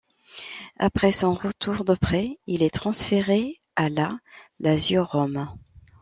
Après son retour de prêt, il est transféré à la Lazio Rome.